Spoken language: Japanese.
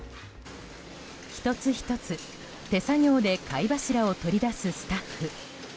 １つ１つ手作業で貝柱を取り出すスタッフ。